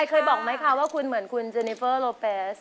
เคยบอกไหมคะว่าคุณเหมือนคุณเจนิเฟอร์โลเฟส